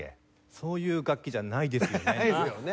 そういう楽器じゃないですよね。